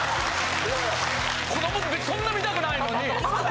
子どもそんな見たくないのに。